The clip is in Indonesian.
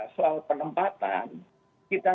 soal penempatan kita